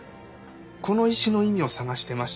この石の意味を探してまして。